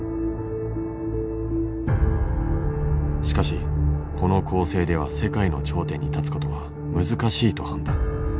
しかしこの構成では世界の頂点に立つことは難しいと判断。